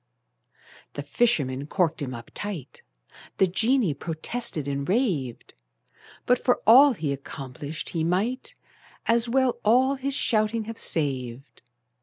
The fisherman corked him up tight: The genie protested and raved, But for all he accomplished, he might As well all his shouting have saved.